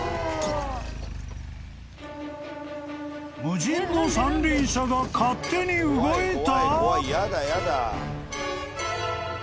［無人の三輪車が勝手に動いた！？］